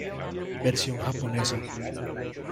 Versión japonesa